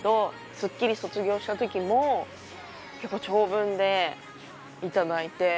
『スッキリ』卒業した時も結構長文で頂いて。